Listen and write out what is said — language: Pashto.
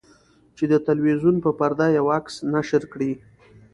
چې د تلویزیون په پرده یو عکس نشر کړي.